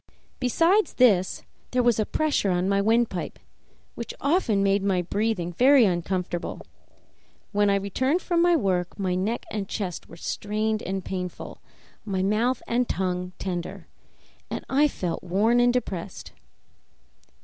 Besides this, there was a pressure on my windpipe, which often made my breathing very uncomfortable; when I returned from my work my neck and chest were strained and painful, my mouth and tongue tender, and I felt worn and depressed.